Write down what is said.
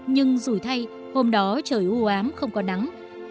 nhưng dù thay hôm đó trời ưu ám không có nắng